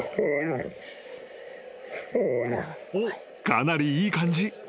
［かなりいい感じ。